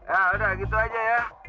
yaudah gitu aja ya